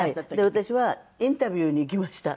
私はインタビューに行きました。